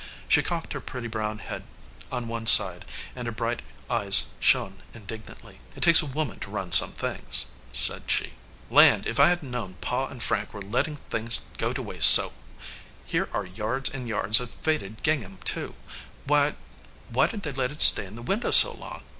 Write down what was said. She cocked her pretty brown head on one side, and her bright eyes shone indignantly. "It takes a woman to run some things," said she. "Land ! If I had known Pa and Frank were letting things go to waste so ! Here are yards and yards of faded gingham, too. Why did they let it stay in the window so long?